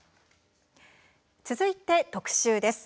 続いて特集です。